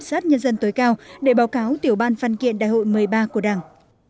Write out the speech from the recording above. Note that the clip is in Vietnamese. sát nhân dân tối cao để báo cáo tiểu ban văn kiện đại hội một mươi ba của đảng